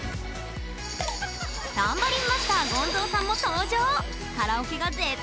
タンバリンマスターゴンゾーさんも登場！